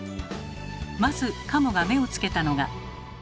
まず加茂が目をつけたのが。